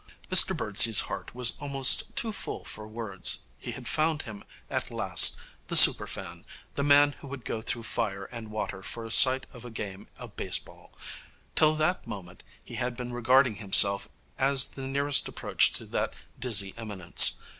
Mr Birdsey's heart was almost too full for words. He had found him at last, the Super Fan, the man who would go through fire and water for a sight of a game of baseball. Till that moment he had been regarding himself as the nearest approach to that dizzy eminence.